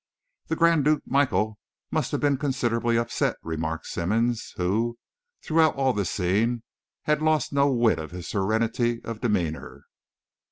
"The Grand Duke Michael must have been considerably upset," remarked Simmonds, who, throughout all this scene, had lost no whit of his serenity of demeanour.